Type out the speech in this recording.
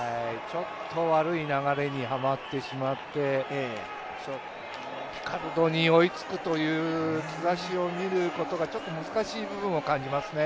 ちょっと悪い流れにはまってしまってピカルドに追いつくという兆しを見ることがちょっと難しい部分を感じますね。